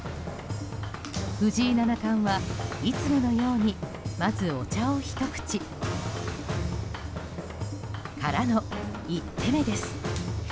藤井七冠はいつものように、まずお茶をひと口からの１手目です。